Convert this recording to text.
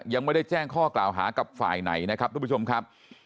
ยังไม่ได้แจ้งข้อกล่าวหากับฝ่ายไหนนะครับทุกผู้ชมครับ